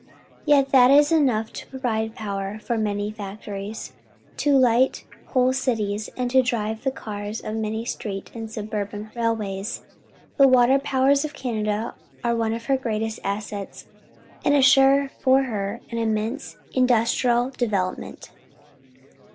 Yet that is enough to provide power for many fac tories, to light whole cities, and to drive the cars of many street and suburban railways. The water powers of Canada are one of her greatest assets, and assure for her an immense industrial development.